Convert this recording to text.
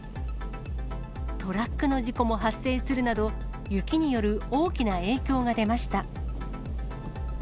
トラックの事故も発生するなど、雪による大きな影響が出ました。